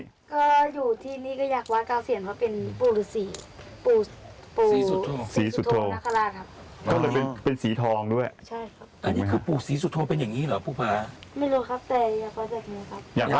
ก็อยู่ที่นี้ก็อยากวาดก้าวเศียรเพราะเป็นปู่สีสุทธงนักฮาราชครับ